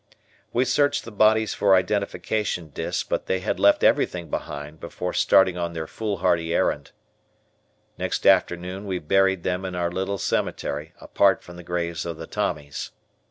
We searched the bodies for identification disks but they had left everything behind before starting on their foolhardy errand. Next afternoon we buried them in our little cemetery apart from the graves of the Tommies.